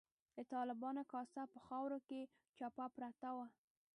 د طالبانو کاسه په خاورو کې چپه پرته وه.